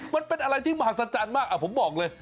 มันเป็นอะไรที่มหัศจรรย์มากผมบอกเลย